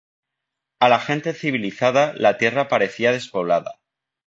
A la gente civilizada la tierra parecía despoblada.